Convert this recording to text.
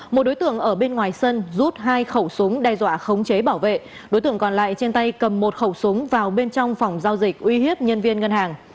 một đối tượng ở bên ngoài sân rút hai khẩu súng đe dọa khống chế bảo vệ đối tượng còn lại trên tay cầm một khẩu súng vào bên trong phòng giao dịch uy hiếp nhân viên ngân hàng